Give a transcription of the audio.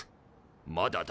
まだだ。